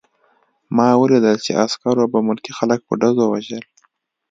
ما ولیدل چې عسکرو به ملکي خلک په ډزو وژل